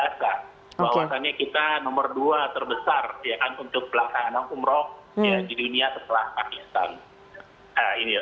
bahwasannya kita nomor dua terbesar ya kan untuk pelaksanaan umroh di dunia setelah pakistan